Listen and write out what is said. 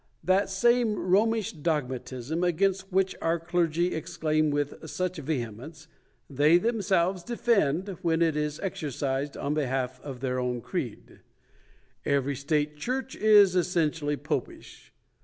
That same Bomish dogmatism, against which our clergy ex claim with such vehemence, they themselves defend when it is exercised on behalf of their own creed. Every state church is essentially popish.